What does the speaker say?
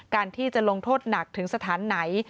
การที่จะลงโทษหนักถึงสถานไหน